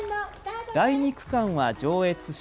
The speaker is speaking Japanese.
第２区間は上越市。